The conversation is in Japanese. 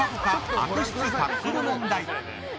悪質タックル問題。